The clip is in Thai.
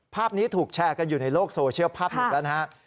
ภาพนี้ถูกแชร์กันอยู่ในโลกโซเชียลภาพหนึ่งแล้วนะฮะ